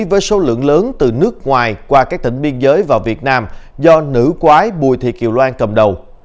với số lượng lớn từ nước ngoài qua các tỉnh biên giới vào việt nam do nữ quái bùi thị kiều loan cầm đầu